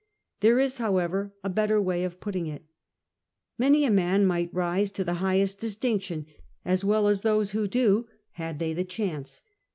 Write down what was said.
There is, however, a better way of putting it. Many a man might rise to the liighest distinction, as well as those who do, had they the chance.